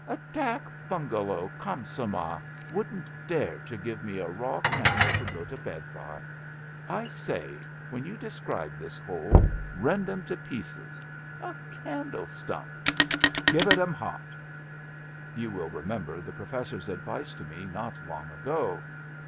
A dak bungalow Jchansamah wouldn^t dare to give me a raw candle to go to bed by. I say, when you de CHAUTAUQUAED 179 scribe this hole rend them to pieces. A candle stump I Give it 'em hot. '' You will remember the Professor's advice to me not long ago.